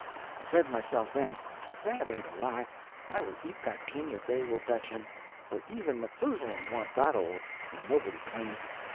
I said to myself, then, if that ain't a lie I will eat that king if they will fetch him, for even Methusalem warn't that old, and nobody claims it.